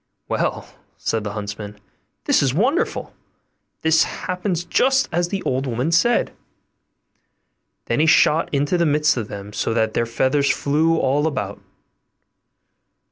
'Well,' said the huntsman, 'this is wonderful; this happens just as the old woman said'; then he shot into the midst of them so that their feathers flew all about.